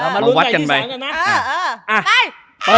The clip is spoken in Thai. อ่ามาลุ้นใจที่สองกันนะอ่าไป